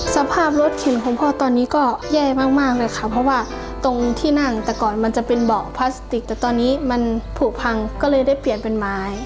สภาพรถเข็นของพ่อตอนนี้ก็แย่มากเลยค่ะเพราะว่าตรงที่นั่งแต่ก่อนมันจะเป็นเบาะพลาสติกแต่ตอนนี้มันผูกพังก็เลยได้เปลี่ยนเป็นไม้